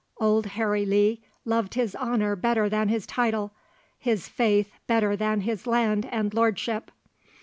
Old Harry Lee loved his honour better than his title, his faith better than his land and lordship.